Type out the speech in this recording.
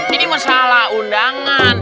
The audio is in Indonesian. ini masalah undangan